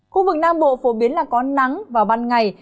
khu vực nam bộ phổ biến là có nắng vào ban ngày